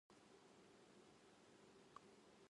私はフレンチトーストを作るのかなと思いました。